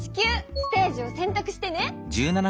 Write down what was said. ステージをせんたくしてね！